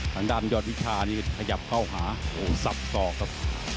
ข้างด้านยาววิชานี่ขยับเข้าหาโหซับต่อครับ